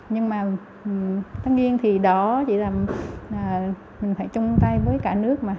nhưng mà tất nhiên thì đó chỉ là mình phải chung tay với cả nước mà